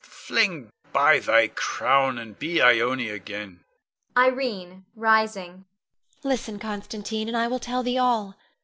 Fling by thy crown and be Ione again. Irene [rising]. Listen, Constantine, and I will tell thee all.